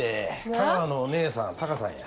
香川のお姉さんタカさんや。